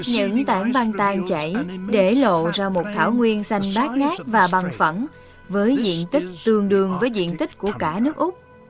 những tảng văn tàn chảy để lộ ra một thảo nguyên xanh bát ngát và bằng phẳng với diện tích tương đương với diện tích của cả nước úc